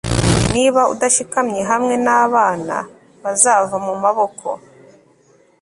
niba udashikamye hamwe nabana, bazava mumaboko